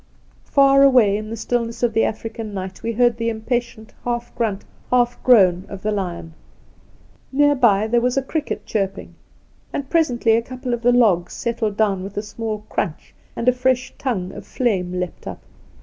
Far away in the stillness of the African night we heard the impatient half grunt, half groan of the lion. Near by there was a cricket chirp ing; and presently a couple of the logs settled down with a small crunch, and a fresh tongue of flame leaped up.